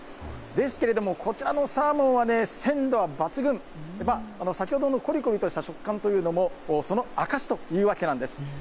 ですけれども、こちらのサーモンは鮮度は抜群、先ほどのこりこりとした食感というのも、その証しというわけなんです。